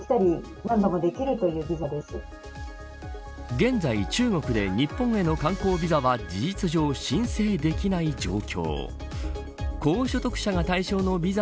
現在、中国で日本への観光ビザは事実上、申請できない状況。